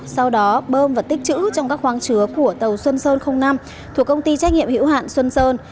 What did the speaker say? sau đó bơm và tích chữ trong các khoáng chứa của tàu xuân sơn năm thuộc công ty trách nhiệm hữu hạn xuân sơn